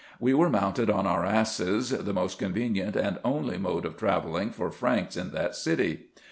We were mounted on our asses, the most convenient and only mode of travelling for Franks in that city.